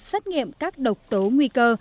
xét nghiệm các độc tố nguy cơ